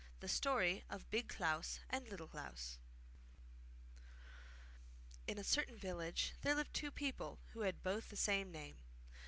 THE STORY OF BIG KLAUS AND LITTLE KLAUS In a certain village there lived two people who had both the same name.